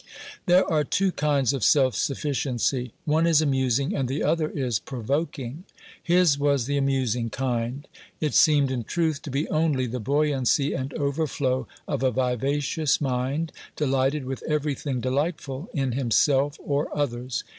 There are two kinds of self sufficiency; one is amusing, and the other is provoking. His was the amusing kind. It seemed, in truth, to be only the buoyancy and overflow of a vivacious mind, delighted with every thing delightful, in himself or others.